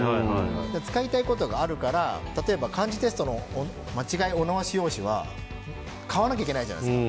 使いたいことがあるから例えば漢字テストの間違いお直し用紙は買わないといけないじゃないですか。